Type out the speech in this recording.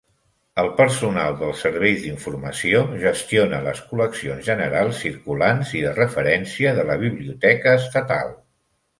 El personal dels serveis d'informació gestiona les col·leccions generals, circulants i de referència de la Biblioteca Estatal.